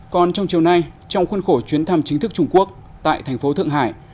còn trong chiều nay trong khuôn khổ chuyến thăm chính thức trung quốc tại thành phố thượng hải